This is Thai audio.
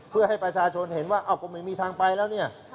เพื่อให้ประชาชนเห็นว่าอ้าวก็ไม่มีทางไปแล้วเนี่ย